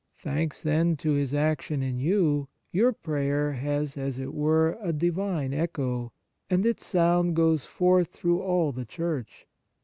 Thanks, then, to His action in you, your prayer has, as it were, a divine echo, and its sound goes forth through all the Church.